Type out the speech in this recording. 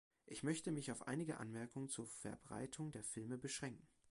Ich möchte mich auf einige Anmerkungen zur Verbreitung der Filme beschränken.